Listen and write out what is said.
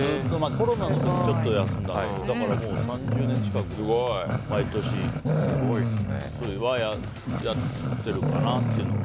コロナの時にちょっと休んだくらいだからもう３０年近く毎年やっているかなというのは。